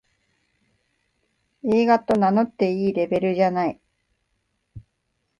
映画と名乗っていいレベルじゃない